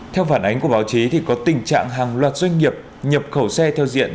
theo phản ánh của báo chí thì có tình trạng hàng loạt doanh nghiệp nhập khẩu xe theo diện